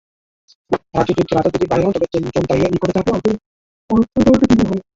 রাজা যদি বাহির হন, তবে চোন্তাইয়ের নিকটে তাঁহাকে অর্থদণ্ড দিতে হয়।